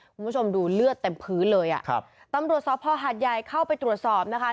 คุณผู้ชมดูเลือดเต็มพื้นเลยอ่ะครับตำรวจสภหาดใหญ่เข้าไปตรวจสอบนะคะ